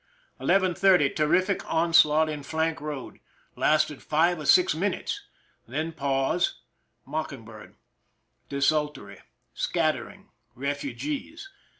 11 : 30, terrific onslaught in flank road— lasted 5 or 6 minutes. Then pause. Mocking bird. Desultory. Scat tering. Refugees.